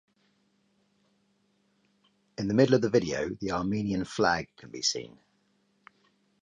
In the middle of the video the Armenian flag can be seen.